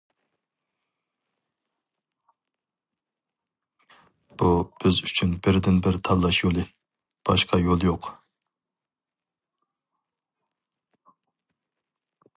بۇ بىز ئۈچۈن بىردىنبىر تاللاش يولى، باشقا يول يوق.